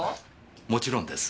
もちろんです。